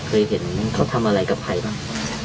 เคยเห็นเขาทำอะไรกับใครบ้าง